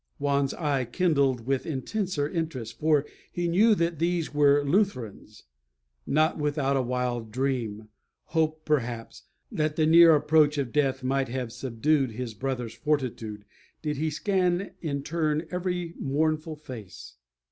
Juan's eye kindled with intenser interest; for he knew that these were Lutherans. Not without a wild dream hope, perhaps that the near approach of death might have subdued his brother's fortitude, did he scan in turn every mournful face.